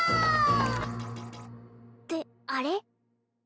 ってあれ？